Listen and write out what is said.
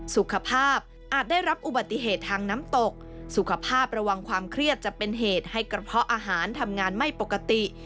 สุขภาพอาจได้รับอุบัติเหตุทางน้ำตกสุขภาพระวังความเครียดจะเป็นเหตุให้กระเพาะอาหารทำงานไม่ปกติ